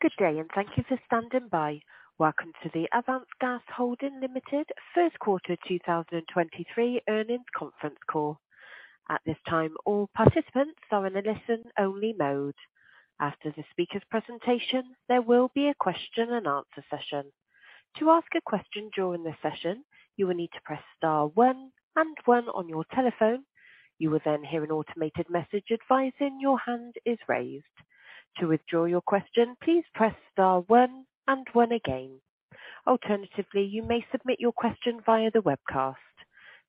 Good day. Thank you for standing by. Welcome to the Avance Gas Holding Limited first quarter 2023 earnings conference call. At this time, all participants are in a listen-only mode. After the speaker's presentation, there will be a question and answer session. To ask a question during this session, you will need to press star one and one on your telephone. You will hear an automated message advising your hand is raised. To withdraw your question, please press star one and one again. Alternatively, you may submit your question via the webcast.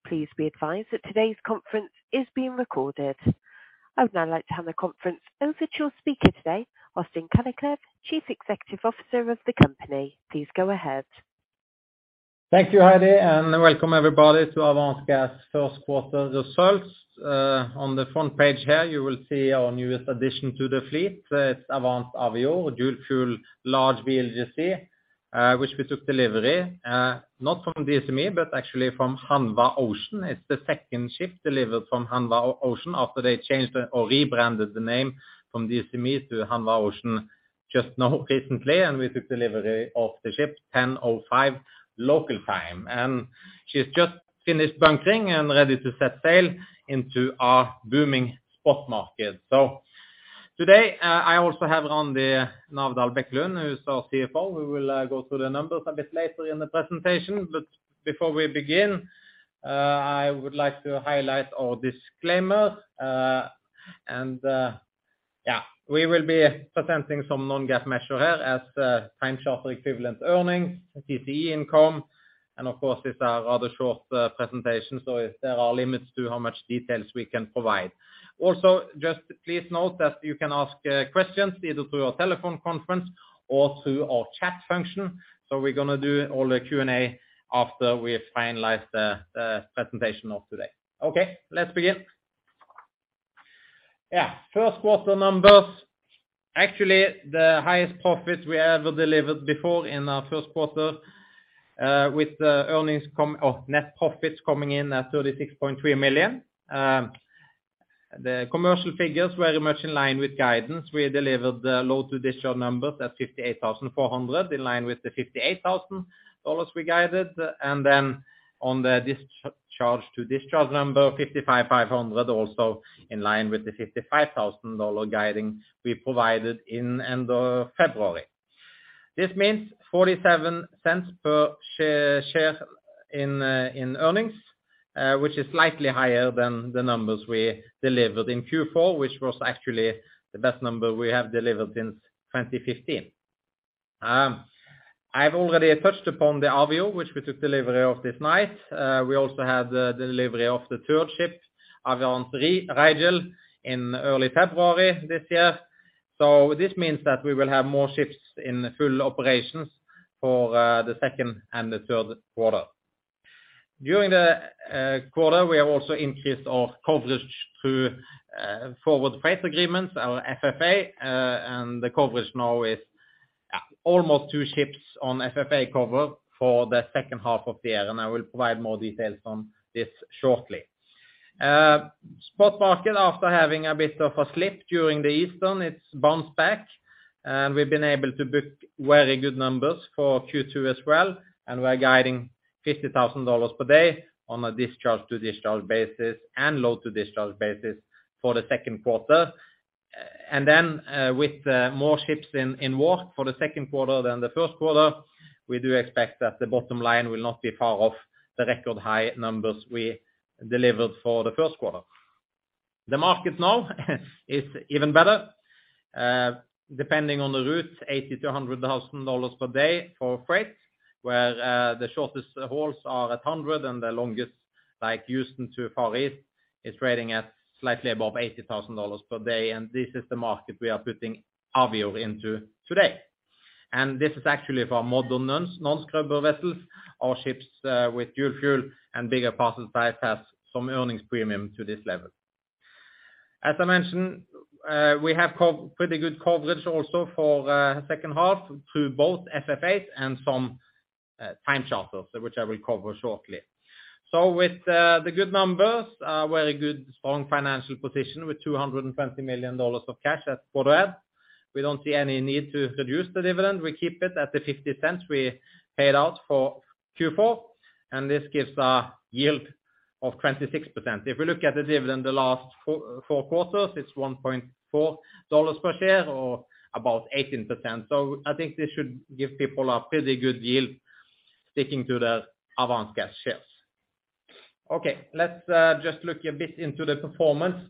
Please be advised that today's conference is being recorded. I would now like to hand the conference over to your speaker today, Øystein Kalleklev, Chief Executive Officer of the company. Please go ahead. Thank you, Heidi. Welcome everybody to Avance Gas first quarter results. On the front page here, you will see our newest addition to the fleet. It's Avance Avior, dual fuel, large VLGC, which we took delivery, not from DSME, but actually from Hanwha Ocean. It's the second ship delivered from Hanwha Ocean after they changed or rebranded the name from DSME to Hanwha Ocean just now, recently. We took delivery of the ship 10:05 local time. She's just finished bunkering and ready to set sail into our booming spot market. Today, I also have on Randi Navdal Bekkelund, who's our CFO. We will go through the numbers a bit later in the presentation. Before we begin, I would like to highlight our disclaimer. We will be presenting some non-GAAP measure here as time charter equivalent earnings, TCE income, and of course, this is a rather short presentation, so there are limits to how much details we can provide. Also, just please note that you can ask questions either through our telephone conference or through our chat function. We're gonna do all the Q&A after we have finalized the presentation of today. Okay, let's begin. First quarter numbers. Actually, the highest profit we ever delivered before in our first quarter, with the earnings or net profits coming in at $36.3 million. The commercial figures were very much in line with guidance. We delivered the load to discharge numbers at 58,400, in line with the $58,000 we guided. On the discharge to discharge number, $55,500, also in line with the $55,000 guiding we provided in end of February. This means $0.47 per share in earnings, which is slightly higher than the numbers we delivered in Q4, which was actually the best number we have delivered since 2015. I've already touched upon the Avance Avior, which we took delivery of this night. We also had the delivery of the third ship, Avance Rigel, in early February this year. This means that we will have more ships in full operations for the second and the third quarter. During the quarter, we have also increased our coverage through forward rate agreements, our FFA, and the coverage now is almost two ships on FFA cover for the second half of the year. I will provide more details on this shortly. Spot market, after having a bit of a slip during Easter, it's bounced back. We've been able to book very good numbers for Q2 as well. We are guiding $50,000 per day on a discharge to discharge basis and load to discharge basis for the second quarter. With more ships in work for the second quarter than the first quarter, we do expect that the bottom line will not be far off the record high numbers we delivered for the first quarter. The market now is even better. Depending on the route, $80,000-$100,000 per day for freight, where the shortest hauls are at $100, and the longest, like Houston to Far East, is trading at slightly above $80,000 per day. This is the market we are putting Avance Avior into today. This is actually for our modern non-scrubber vessels or ships, with dual fuel and bigger parcel size has some earnings premium to this level. As I mentioned, we have pretty good coverage also for second half through both FFAs and some time charters, which I will cover shortly. With the good numbers, a very good, strong financial position with $220 million of cash at quarter end, we don't see any need to reduce the dividend. We keep it at the $0.50 we paid out for Q4. This gives a yield of 26%. If we look at the dividend the last four quarters, it's $1.4 per share, or about 18%. I think this should give people a pretty good yield sticking to the Avance Gas shares. Okay. Let's just look a bit into the performance.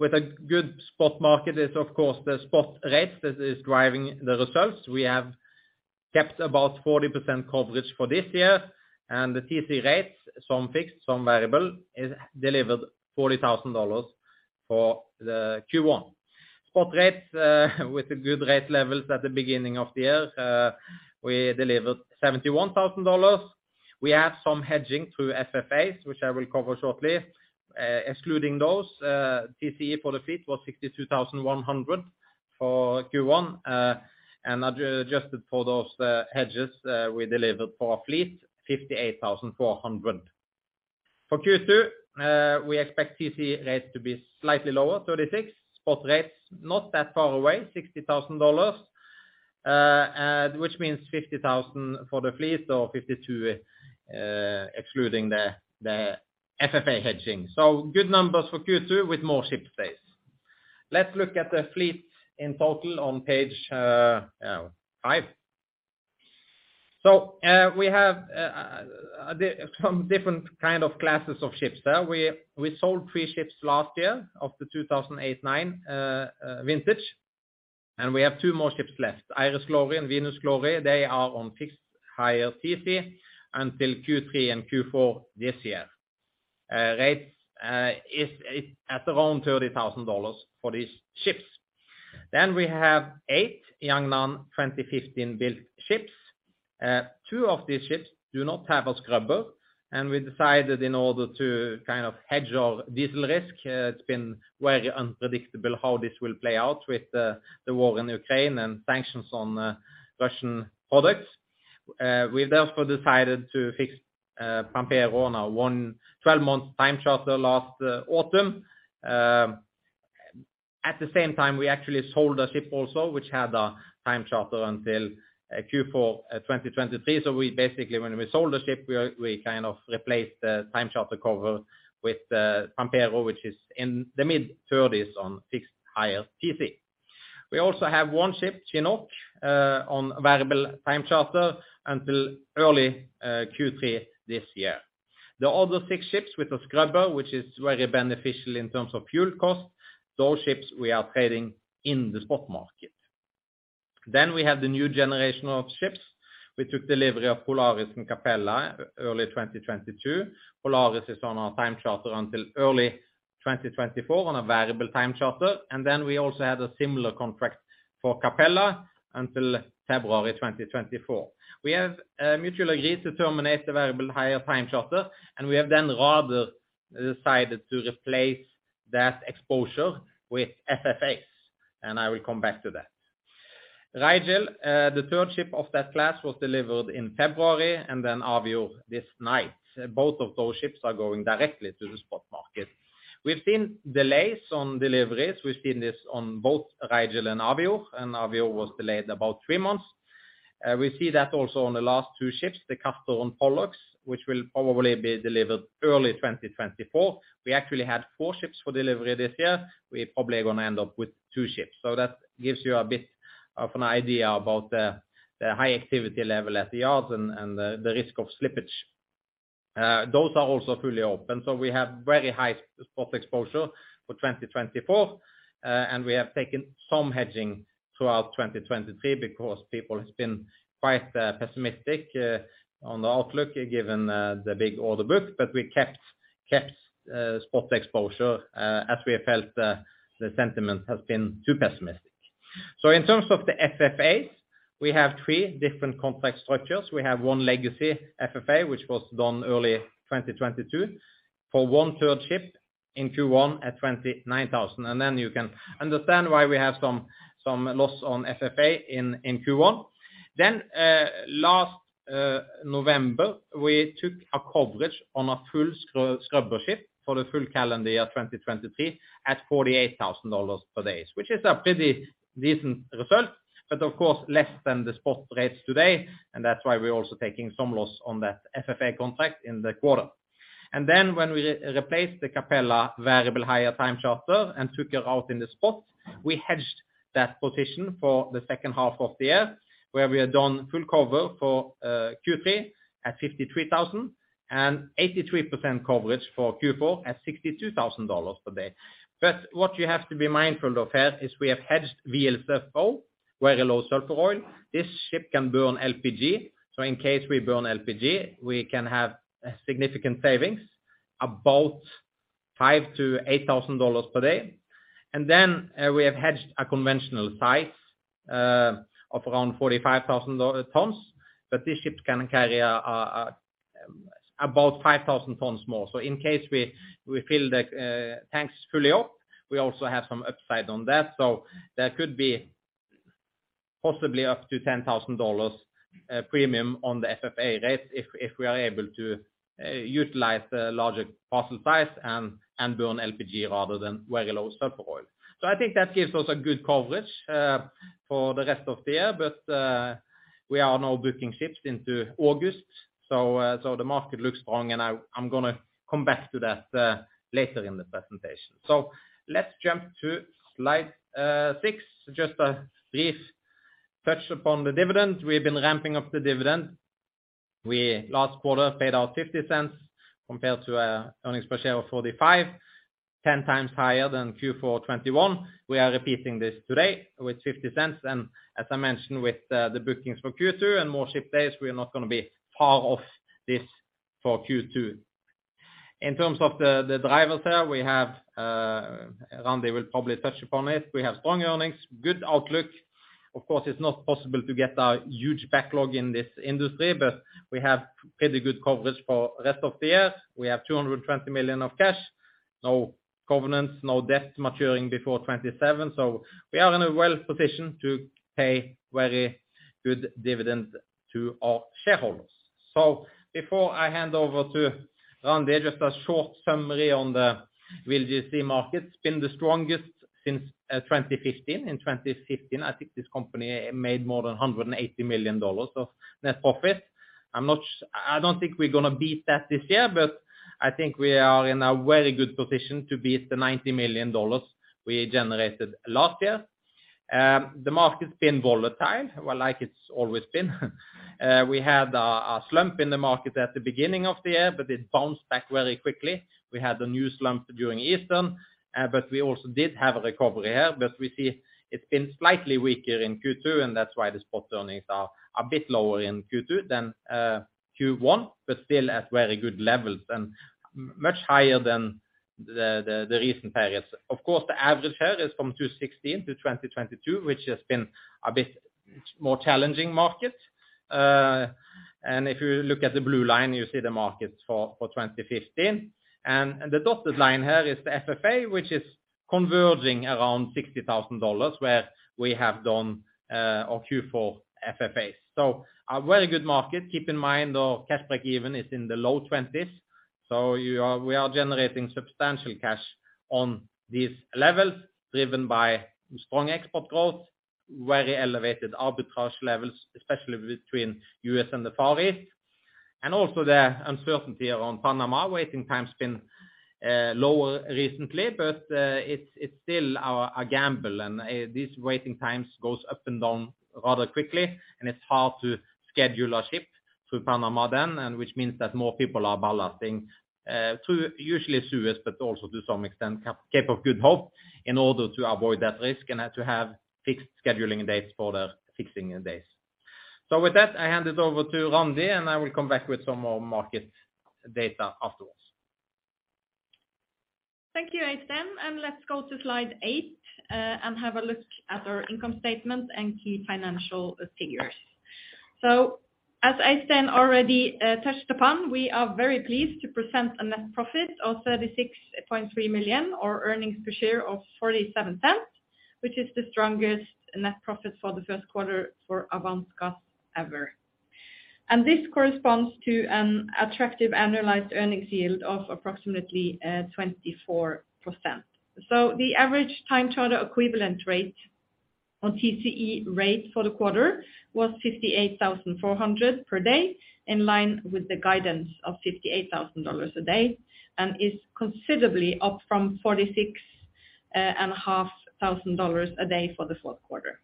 With a good spot market is, of course, the spot rates that is driving the results. We have kept about 40% coverage for this year, and the TC rates, some fixed, some variable, is delivered $40,000 for the Q1. Spot rates, with the good rate levels at the beginning of the year, we delivered $71,000. We had some hedging through FFAs, which I will cover shortly. Excluding those, TCE for the fleet was $62,100 for Q1, and adjusted for those hedges, we delivered for our fleet, $58,400. For Q2, we expect TC rates to be slightly lower, $36,000. Spot rates not that far away, $60,000, which means $50,000 for the fleet or $52,000, excluding the FFA hedging. Good numbers for Q2 with more ship days. Let's look at the fleet in total on page 5. We have some different kind of classes of ships there. We sold 3 ships last year of the 2008-2009 vintage, and we have 2 more ships left, Iris Glory and Venus Glory. They are on fixed higher TC until Q3 and Q4 this year. Rates is at around $30,000 for these ships. We have 8 Jiangnan 2015 built ships. 2 of these ships do not have a scrubber, and we decided in order to kind of hedge our diesel risk, it's been very unpredictable how this will play out with the war in Ukraine and sanctions on Russian products. We therefore decided to fix Pampero on a 12-month time charter last autumn. At the same time, we actually sold a ship also which had a time charter until Q4 2023. We basically, when we sold the ship, we kind of replaced the time charter cover with Pampero, which is in the mid-$30s on fixed higher TC. We also have one ship, Chinook, on variable time charter until early Q3 this year. The other six ships with a scrubber, which is very beneficial in terms of fuel cost, those ships we are trading in the spot market. We have the new generation of ships. We took delivery of Polaris and Capella early 2022. Polaris is on our time charter until early 2024 on a variable time charter, we also had a similar contract for Capella until February 2024. We have mutually agreed to terminate the variable higher time charter, we have rather decided to replace that exposure with FFAs, I will come back to that. Rigel, the 3rd ship of that class, was delivered in February, Avior this night. Both of those ships are going directly to the spot market. We've seen delays on deliveries. We've seen this on both Rigel and Avior, and Avior was delayed about 3 months. We see that also on the last 2 ships, the Castor and Pollux, which will probably be delivered early 2024. We actually had 4 ships for delivery this year. We're probably gonna end up with 2 ships. That gives you a bit of an idea about the high activity level at the yards and the risk of slippage. Those are also fully open, we have very high spot exposure for 2024, and we have taken some hedging throughout 2023 because people has been quite pessimistic on the outlook, given the big order book. We kept spot exposure as we felt the sentiment has been too pessimistic. In terms of the FFAs, we have three different complex structures. We have one legacy FFA, which was done early 2022, for one-third ship in Q1 at $29,000. You can understand why we have some loss on FFA in Q1. Last November, we took a coverage on a full scrubber ship for the full calendar year 2023 at $48,000 per day, which is a pretty decent result, but of course less than the spot rates today, and that's why we're also taking some loss on that FFA contract in the quarter. When we replaced the Avance Capella variable higher time charter and took it out in the spot, we hedged that position for the second half of the year, where we have done full cover for Q3 at $53,000 and 83% coverage for Q4 at $62,000 per day. What you have to be mindful of here is we have hedged VLSFO, very low sulfur oil. This ship can burn LPG, so in case we burn LPG, we can have significant savings, about $5,000-$8,000 per day. We have hedged a conventional size of around 45,000 tons, but this ship can carry about 5,000 tons more. In case we fill the tanks fully up, we also have some upside on that. That could be possibly up to $10,000 premium on the FFA rate if we are able to utilize the larger parcel size and burn LPG rather than very low sulfur oil. I think that gives us a good coverage for the rest of the year. We are now booking ships into August. The market looks strong, and I'm gonna come back to that later in the presentation. Let's jump to slide 6. Just a brief touch upon the dividend. We have been ramping up the dividend. We, last quarter, paid out $0.50 compared to earnings per share of $0.45, 10x higher than Q4 2021. We are repeating this today with $0.50, and as I mentioned, with the bookings for Q2 and more ship days, we are not gonna be far off this for Q2. In terms of the drivers here, we have Randy will probably touch upon it. We have strong earnings, good outlook. Of course, it's not possible to get a huge backlog in this industry, but we have pretty good coverage for rest of the year. We have $220 million of cash, no covenants, no debt maturing before 2027. We are in a well position to pay very good dividend to our shareholders. Before I hand over to Randy, just a short summary on the VLGC market. It's been the strongest since 2015. In 2015, I think this company made more than $180 million of net profit. I don't think we're gonna beat that this year, but I think we are in a very good position to beat the $90 million we generated last year. The market's been volatile, well, like it's always been. We had a slump in the market at the beginning of the year, but it bounced back very quickly. We had a new slump during Easter, but we also did have a recovery here, but we see it's been slightly weaker in Q2, and that's why the spot earnings are a bit lower in Q2 than Q1, but still at very good levels and much higher than the recent periods. Of course, the average here is from 2016-2022, which has been a bit more challenging market. If you look at the blue line, you see the market for 2015. The dotted line here is the FFA, which is converging around $60,000, where we have done our Q4 FFAs. A very good market. Keep in mind, our cash break-even is in the low $20s. We are generating substantial cash on these levels, driven by strong export growth, very elevated arbitrage levels, especially between U.S. and the Far East, and also the uncertainty around Panama. Waiting time's been lower recently, but it's still a gamble. These waiting times goes up and down rather quickly, and it's hard to schedule a ship through Panama then. Which means that more people are ballasting through usually Suez, but also to some extent, Cape of Good Hope, in order to avoid that risk and to have fixed scheduling dates for the fixing days. With that, I hand it over to Randy, and I will come back with some more market data afterwards. Thank you, Øystein. Let's go to slide 8 and have a look at our income statement and key financial figures. As Øystein already touched upon, we are very pleased to present a net profit of $36.3 million, or earnings per share of $0.47, which is the strongest net profit for the first quarter for Avance Gas ever. This corresponds to an attractive annualized earnings yield of approximately 24%. The average time charter equivalent rate, or TCE rate, for the quarter was $58,400 per day, in line with the guidance of $58,000 a day, and is considerably up from $46 and a half thousand dollars a day for the fourth quarter.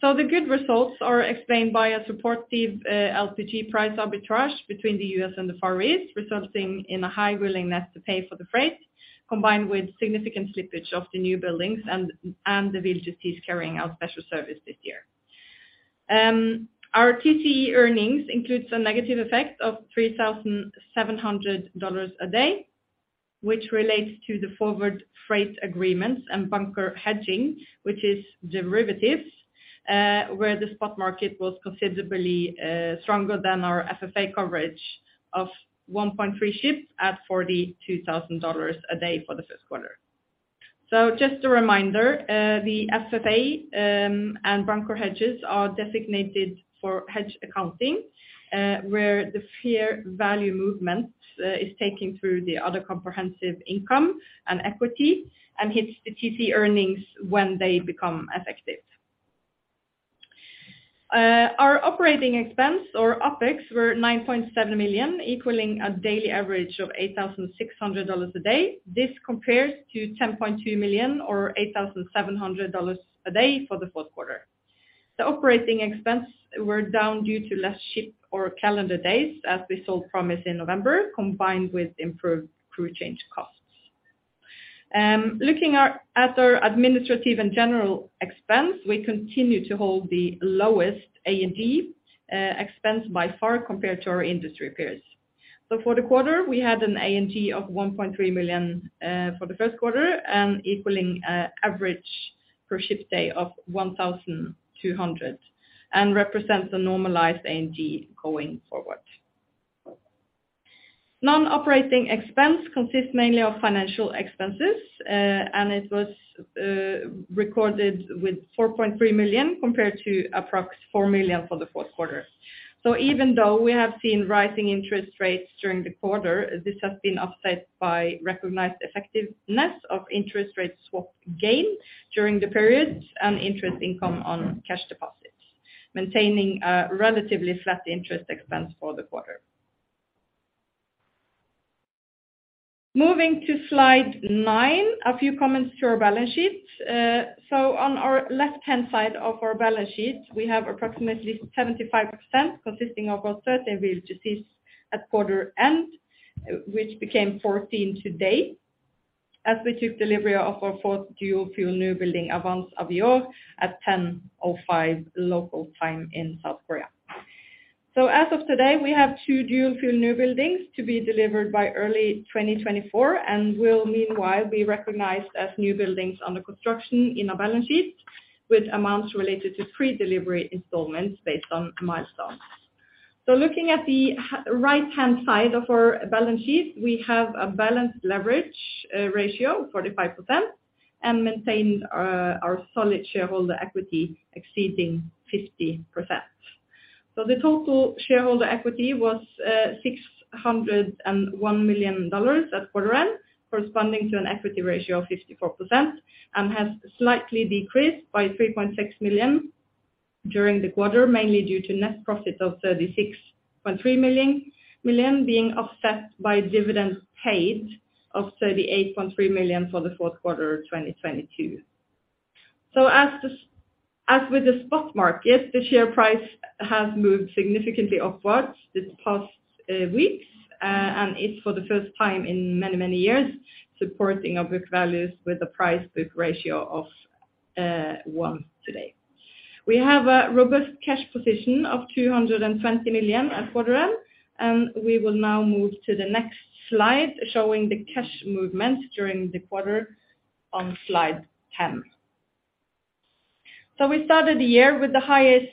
The good results are explained by a supportive LPG price arbitrage between the US and the Far East, resulting in a high willingness to pay for the freight, combined with significant slippage of the newbuildings and the VLGCs carrying out special service this year. Our TCE earnings includes a negative effect of $3,700 a day, which relates to the forward freight agreements and bunker hedging, which is derivatives, where the spot market was considerably stronger than our FFA coverage of 1.3 ships at $42,000 a day for the first quarter. Just a reminder, the FFA and bunker hedges are designated for hedge accounting, where the fair value movement is taking through the other comprehensive income and equity and hits the TCE earnings when they become effective. Our operating expense or opex were $9.7 million, equaling a daily average of $8,600 a day. This compares to $10.2 million, or $8,700 a day, for the fourth quarter. The operating expense were down due to less ship or calendar days, as we sold Promise in November, combined with improved crew change costs. Looking at our Administrative and General expense, we continue to hold the lowest A&G expense by far compared to our industry peers. For the quarter, we had an A&G of $1.3 million for the first quarter and equaling a average per ship day of $1,200 and represents a normalized A&G going forward. Non-operating expense consists mainly of financial expenses, and it was recorded with $4.3 million, compared to approx $4 million for the fourth quarter. Even though we have seen rising interest rates during the quarter, this has been offset by recognized effectiveness of interest rate swap gain during the period and interest income on cash deposits, maintaining a relatively flat interest expense for the quarter. Moving to slide 9, a few comments to our balance sheet. On our left-hand side of our balance sheet, we have approximately 75%, consisting of our 30 VLGCs at quarter end, which became 14 today, as we took delivery of our fourth dual fuel newbuilding, Avance Avior, at 10:05 A.M. local time in South Korea. As of today, we have two dual-fuel newbuildings to be delivered by early 2024 and will meanwhile be recognized as newbuildings under construction in our balance sheet, with amounts related to pre-delivery installments based on milestones. Looking at the right-hand side of our balance sheet, we have a balanced leverage ratio, 45%, and maintain our solid shareholder equity exceeding 50%. The total shareholder equity was $601 million at quarter end, corresponding to an equity ratio of 54%, and has slightly decreased by $3.6 million during the quarter, mainly due to net profits of $36.3 million, being offset by dividends paid of $38.3 million for the fourth quarter, 2022. As the, as with the spot market, the share price has moved significantly upwards this past weeks, and it's for the first time in many, many years, supporting our book values with a price book ratio of 1 today. We have a robust cash position of $220 million at quarter end, we will now move to the next slide, showing the cash movements during the quarter on slide 10. We started the year with the highest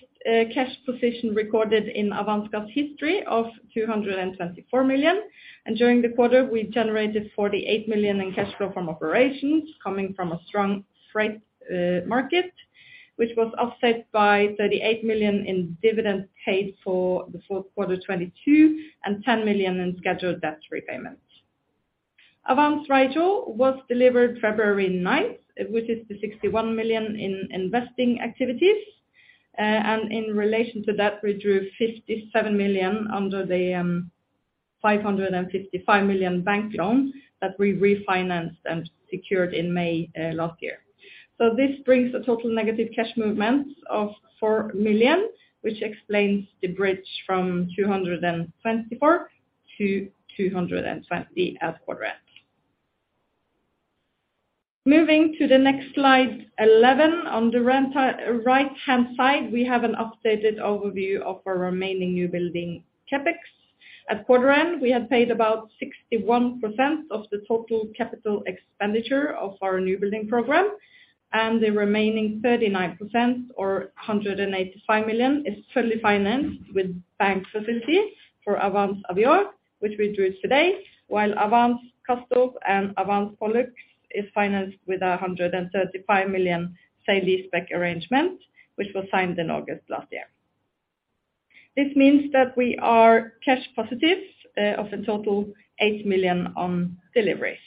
cash position recorded in Avance Gas's history of $224 million. During the quarter, we generated $48 million in cash flow from operations, coming from a strong freight market, which was offset by $38 million in dividend paid for the fourth quarter 2022, and $10 million in scheduled debt repayments. Avance Rigel was delivered February ninth, which is $61 million in investing activities. In relation to that, we drew $57 million under the $555 million bank loan that we refinanced and secured in May last year. This brings a total negative cash movement of $4 million, which explains the bridge from $224 million-$220 million at quarter end. Moving to the next slide 11, on the right-hand side, we have an updated overview of our remaining newbuilding CapEx. At quarter end, we had paid about 61% of the total capital expenditure of our new building program. The remaining 39%, or $185 million, is fully financed with bank facilities for Avance Avior, which we drew today, while Avance Castor and Avance Pollux is financed with a $135 million sale leaseback arrangement, which was signed in August last year. This means that we are cash positive, of a total $8 million on deliveries.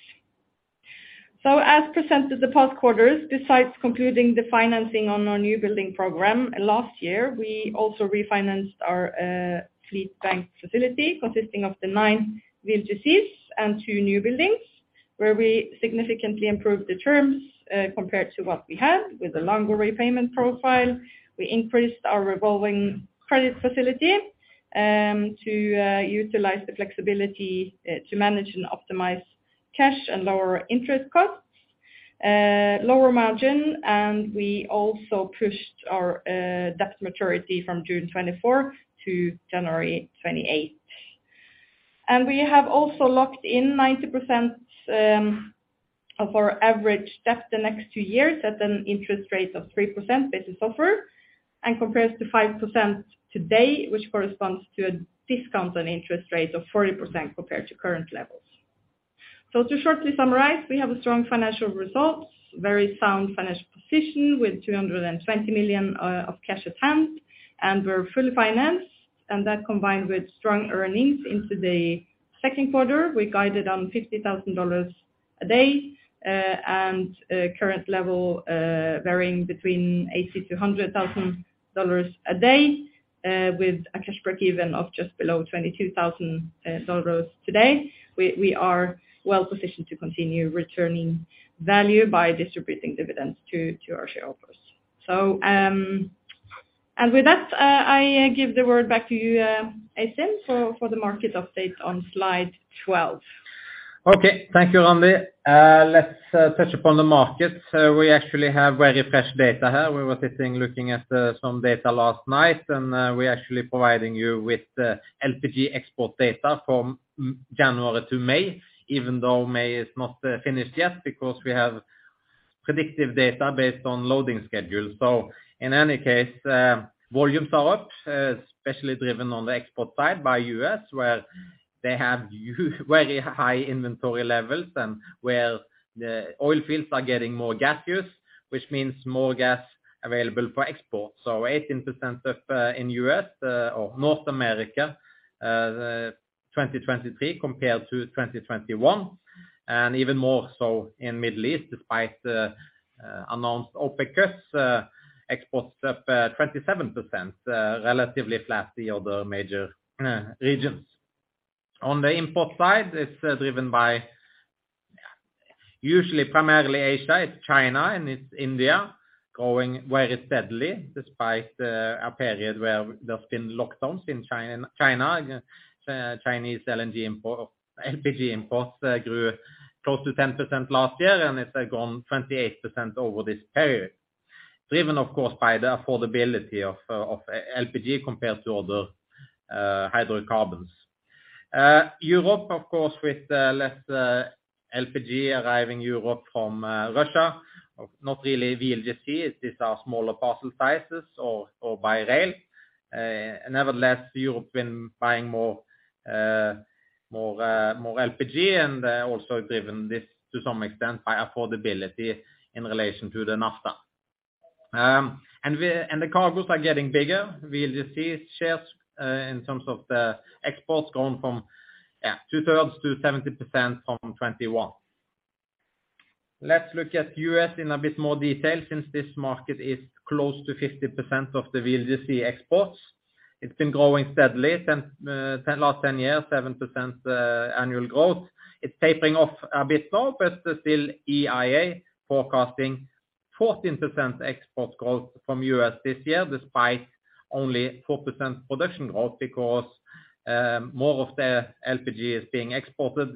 As presented the past quarters, besides concluding the financing on our new building program, last year, we also refinanced our fleet bank facility, consisting of the 9 VLGCs and 2 new buildings, where we significantly improved the terms compared to what we had with a longer repayment profile. We increased our revolving credit facility, to utilize the flexibility, to manage and optimize cash and lower interest costs, lower margin. We also pushed our debt maturity from June 24th to January 28th. We have also locked in 90% of our average debt the next two years at an interest rate of 3% business offer, and compares to 5% today, which corresponds to a discount on interest rate of 40% compared to current levels. To shortly summarize, we have strong financial results, very sound financial position with $220 million of cash at hand, and we're fully financed, and that combined with strong earnings into the second quarter, we guided on $50,000 a day, and current level varying between $80,000-$100,000 a day, with a cash break even of just below $22,000 today. We are well positioned to continue returning value by distributing dividends to our shareholders. With that, I give the word back to you, Øystein, for the market update on slide 12. Okay, thank you, Randy. Let's touch upon the market. We actually have very fresh data here. We were sitting, looking at some data last night, and we're actually providing you with the LPG export data from January to May, even though May is not finished yet, because we have predictive data based on loading schedules. In any case, volumes are up, especially driven on the export side by U.S., where they have very high inventory levels and where the oil fields are getting more gas use, which means more gas available for export. 18% of in U.S., or North America, 2023 compared to 2021, and even more so in Middle East, despite the announced OPEC exports up 27%, relatively flat to the other major regions. On the import side, it's driven by, usually primarily Asia, it's China and it's India, growing very steadily, despite a period where there's been lockdowns in China. Chinese LPG imports grew close to 10% last year, and it's gone 28% over this period. Driven, of course, by the affordability of LPG compared to other hydrocarbons. Europe, of course, with less LPG arriving Europe from Russia, not really VLGC, these are smaller parcel sizes or by rail. Nevertheless, Europe been buying more LPG and also driven this to some extent by affordability in relation to the naphtha. And the cargoes are getting bigger. VLGC shares in terms of the exports, going from 2/3 to 70% from 2021. Let's look at U.S. in a bit more detail, since this market is close to 50% of the VLGC exports. It's been growing steadily since last 10 years, 7% annual growth. It's tapering off a bit now, but still EIA forecasting 14% export growth from U.S. this year, despite only 4% production growth, because more of the LPG is being exported,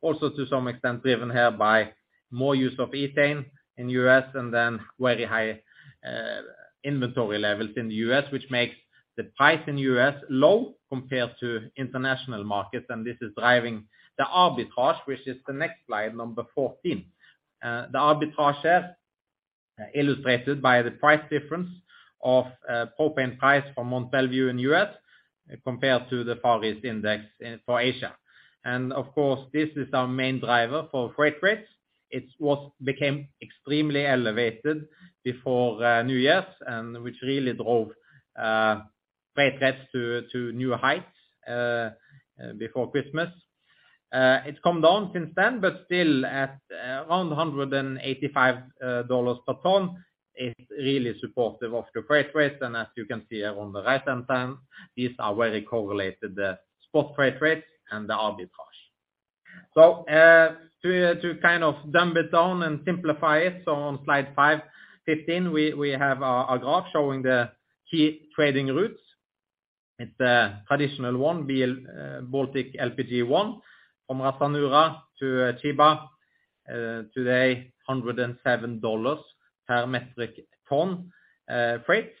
also to some extent driven here by more use of ethane in U.S., and then very high inventory levels in the U.S., which makes the price in the U.S. low compared to international markets, and this is driving the arbitrage, which is the next slide, number 14. The arbitrage set illustrated by the price difference of propane price from Mont Belvieu in U.S., compared to the Far East Index for Asia. Of course, this is our main driver for freight rates. It became extremely elevated before New Year's, and which really drove freight rates to new heights before Christmas. It's come down since then, but still at around $185 per tonne, it's really supportive of the freight rates. As you can see here on the right-hand side, these are very correlated, the spot freight rates and the arbitrage. To kind of dumb it down and simplify it, on slide 5-15, we have a graph showing the key trading routes. It's a traditional one, BLPG1, from Ras Tanura to Chiba. Today, $107 per metric tonne freight,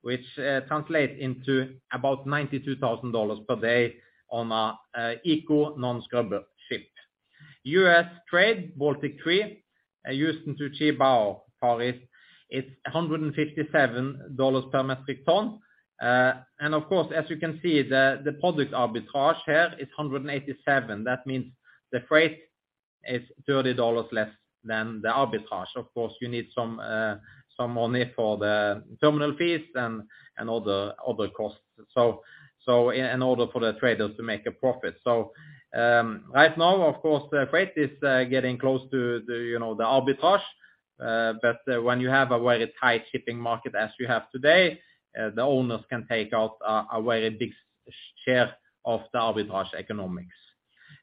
which translates into about $92,000 per day on a eco non-scrubber ship. U.S. trade, BLPG3, Houston to Chiba, Far East, it's $157 per metric tonne. Of course, as you can see, the product arbitrage here is $187. That means the freight is $30 less than the arbitrage. Of course, you need some money for the terminal fees and other costs, so in order for the traders to make a profit. Right now, of course, the freight is getting close to the, you know, the arbitrage, but when you have a very tight shipping market as you have today, the owners can take out a very big share of the arbitrage economics.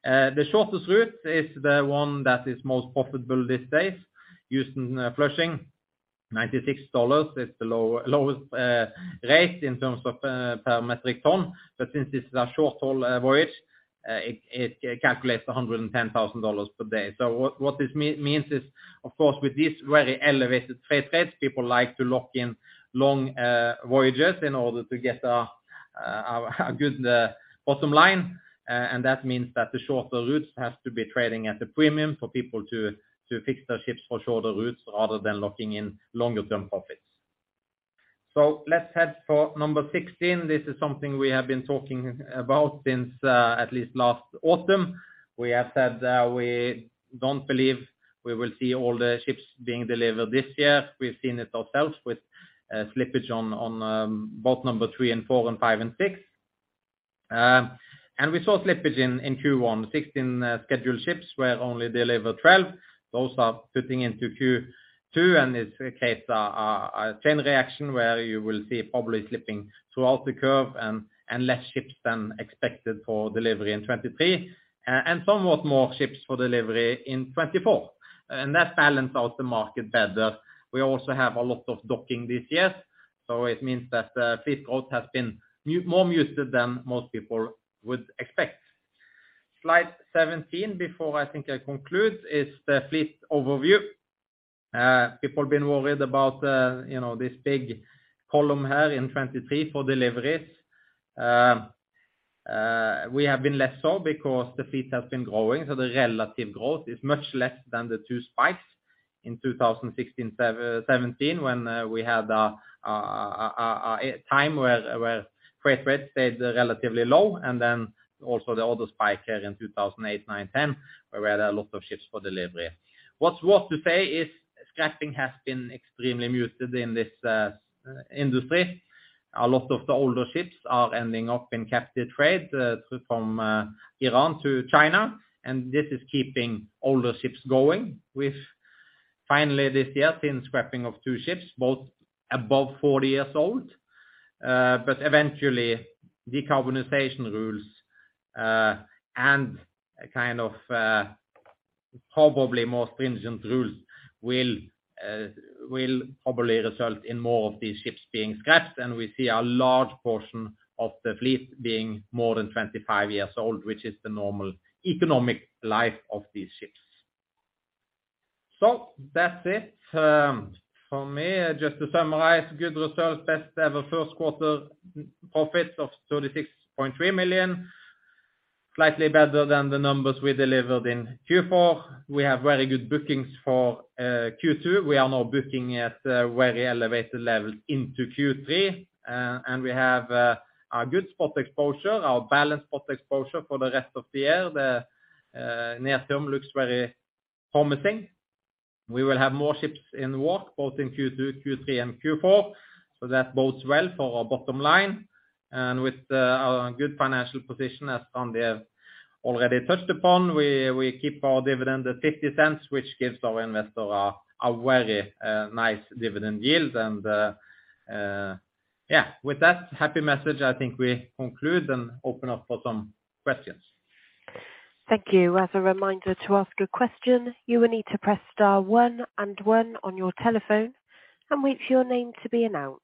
The shortest route is the one that is most profitable these days. Houston-Flushing, $96 is the lowest rate in terms of per metric tonne, since this is a short-haul voyage, it calculates $110,000 per day. What this means is, of course, with this very elevated freight rates, people like to lock in long voyages in order to get a good bottom line. That means that the shorter routes have to be trading at a premium for people to fix their ships for shorter routes, rather than locking in longer term profits. Let's head for number 16. This is something we have been talking about since at least last autumn. We have said, we don't believe we will see all the ships being delivered this year. We've seen it ourselves with slippage on, both number 3 and 4, and 5 and 6. We saw slippage in Q1, 16 scheduled ships where only deliver 12. Those are putting into Q2. This creates a chain reaction where you will see probably slipping throughout the curve and less ships than expected for delivery in 2023, and somewhat more ships for delivery in 2024, and that balance out the market better. We also have a lot of docking this year, so it means that the fleet growth has been more muted than most people would expect. Slide 17, before I think I conclude, is the fleet overview. People been worried about this big column here in 2023 for deliveries. We have been less so because the fleet has been growing, the relative growth is much less than the two spikes in 2016, 2017, when we had a time where freight rates stayed relatively low, the other spike here in 2008, 2009, 2010, where we had a lot of ships for delivery. What's worth to say is scrapping has been extremely muted in this industry. A lot of the older ships are ending up in captive trade, to from Iran to China, this is keeping older ships going, with finally this year, seen scrapping of two ships, both above 40 years old. Eventually, decarbonization rules, and a kind of, probably more stringent rules will probably result in more of these ships being scrapped, and we see a large portion of the fleet being more than 25 years old, which is the normal economic life of these ships. That's it, for me. Just to summarize, good results, best ever first quarter profit of $36.3 million, slightly better than the numbers we delivered in Q4. We have very good bookings for Q2. We are now booking at a very elevated level into Q3, and we have a good spot exposure, our balance spot exposure for the rest of the year. The near term looks very promising. We will have more ships in work, both in Q2, Q3, and Q4. That bodes well for our bottom line, and with our good financial position, as Randy has already touched upon, we keep our dividend at $0.50, which gives our investor a very nice dividend yield. With that happy message, I think we conclude and open up for some questions. Thank you. As a reminder, to ask a question, you will need to press star one and one on your telephone and wait for your name to be announced.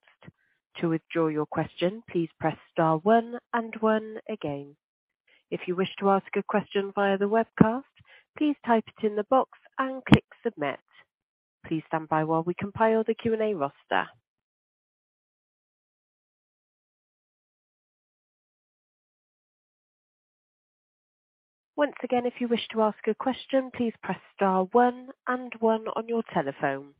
To withdraw your question, please press star one and one again. If you wish to ask a question via the webcast, please type it in the box and click Submit. Please stand by while we compile the Q&A roster. Once again, if you wish to ask a question, please press star one and one on your telephone.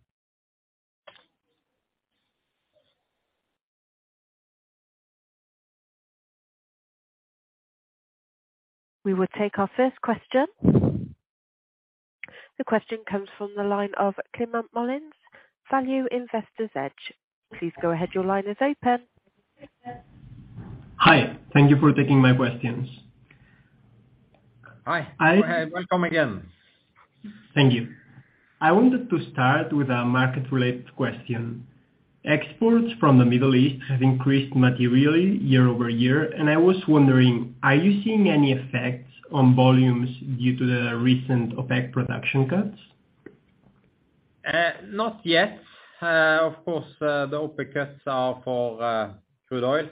We will take our first question. The question comes from the line of Clement Mullins, Value Investors Edge. Please go ahead. Your line is open. Hi. Thank you for taking my questions. Hi. I- Go ahead. Welcome again. Thank you. I wanted to start with a market-related question. Exports from the Middle East have increased materially year-over-year. I was wondering, are you seeing any effect on volumes due to the recent OPEC production cuts? Not yet. Of course, the OPEC cuts are for crude oil.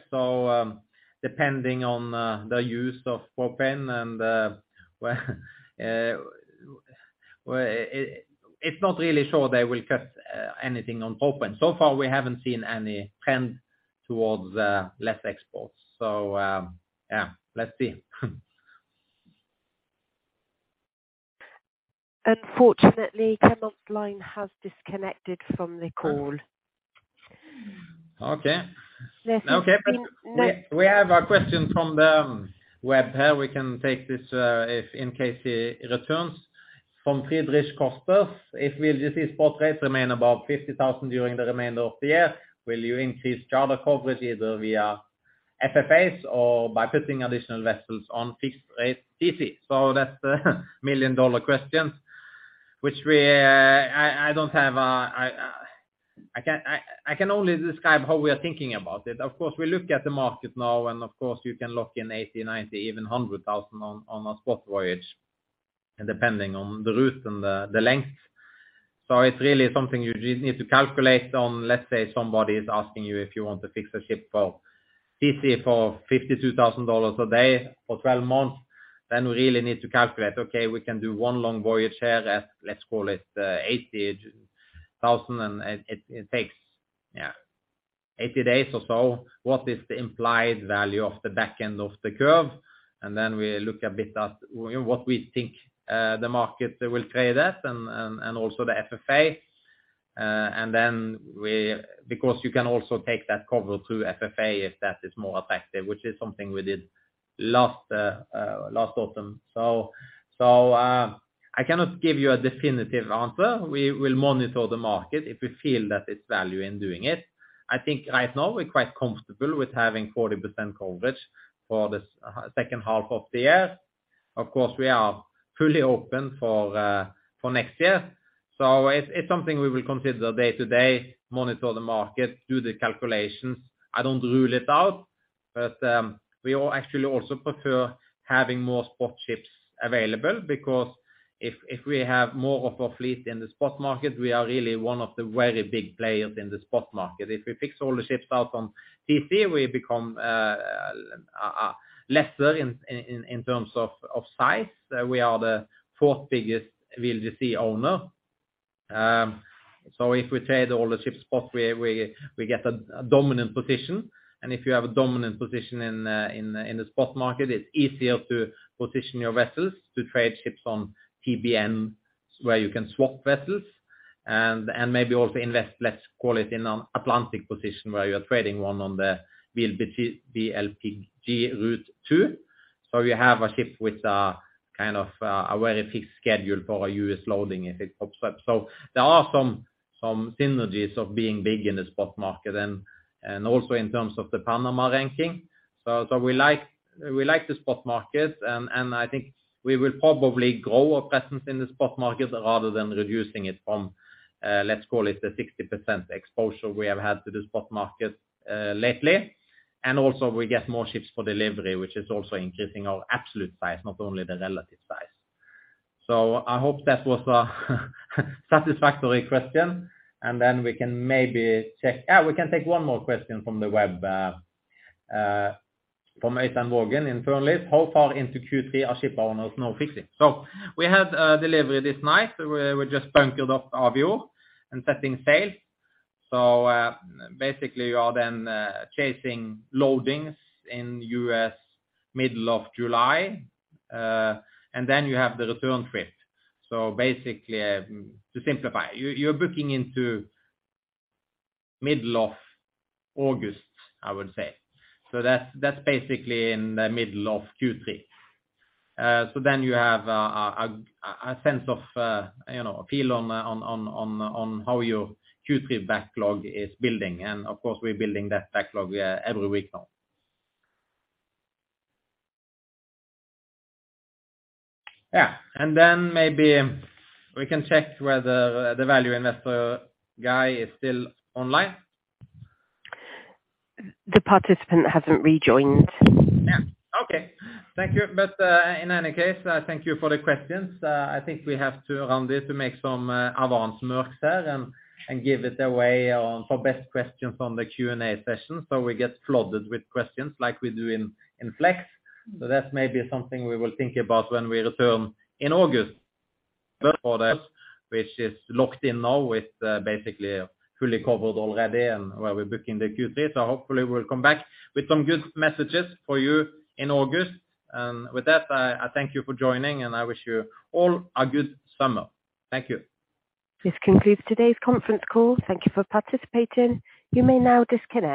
Depending on the use of propane and, well, it's not really sure they will cut anything on propane. So far, we haven't seen any trend towards less exports. Yeah, let's see. Unfortunately, Clement Mullins has disconnected from the call. Okay. There's been- Okay, we have a question from the web here. We can take this if in case he returns. From Friedrich Kostas, if we just see spot rates remain above $50,000 during the remainder of the year, will you increase charter coverage either via FFAs or by putting additional vessels on fixed rate TC? That's the $1 million question, which we. I don't have a. I can only describe how we are thinking about it. Of course, we look at the market now, and of course, you can lock in $80,000, $90,000, even $100,000 on a spot voyage, and depending on the route and the length. It's really something you need to calculate on. Let's say somebody is asking you if you want to fix a ship for TC for $52,000 a day for 12 months, we really need to calculate. Okay, we can do one long voyage here at, let's call it, $80,000, and it takes, yeah, 80 days or so. What is the implied value of the back end of the curve? We look a bit at what we think the market will trade at, and also the FFA. Because you can also take that cover through FFA, if that is more effective, which is something we did last autumn. I cannot give you a definitive answer. We will monitor the market if we feel that it's value in doing it. I think right now we're quite comfortable with having 40% coverage for this second half of the year. Of course, we are fully open for next year. It's something we will consider day to day, monitor the market, do the calculations. I don't rule it out, we all actually also prefer having more spot ships available, because if we have more of our fleet in the spot market, we are really one of the very big players in the spot market. If we fix all the ships out on TC, we become lesser in terms of size. We are the 4th biggest VLEC owner. If we trade all the ships spot, we get a dominant position, and if you have a dominant position in the spot market, it's easier to position your vessels to trade ships on TBN, where you can swap vessels, and maybe also invest, let's call it in an Atlantic position, where you are trading one on the BLPG route two. You have a ship with kind of a very fixed schedule for a U.S. loading if it pops up. There are some synergies of being big in the spot market and also in terms of the Panama ranking. we like the spot market, I think we will probably grow our presence in the spot market rather than reducing it from, let's call it the 60% exposure we have had to the spot market, lately. Also, we get more ships for delivery, which is also increasing our absolute size, not only the relative size. I hope that was a satisfactory question. We can maybe check. Yeah, we can take one more question from the web, from Ethan Morgan in Turnleaf: How far into Q3 are shipowners now fixing? We had a delivery this night. We just bunkered up our view and setting sail. Basically, you are then chasing loadings in U.S., middle of July, and then you have the return trip. Basically, to simplify, you're booking into middle of August, I would say. That's basically in the middle of Q3. Then you have a sense of, you know, a feel on how your Q3 backlog is building, and of course, we're building that backlog every week now. Yeah, then maybe we can check whether the value investor guy is still online. The participant hasn't rejoined. Yeah. Okay. Thank you. In any case, thank you for the questions. I think we have to round it to make some advance work there and give it away on for best questions on the Q&A session, so we get flooded with questions like we do in Flex. That's maybe something we will think about when we return in August. For that. Which is locked in now with, basically fully covered already and where we're booking the Q3. Hopefully we'll come back with some good messages for you in August. With that, I thank you for joining, and I wish you all a good summer. Thank you. This concludes today's conference call. Thank you for participating. You may now disconnect.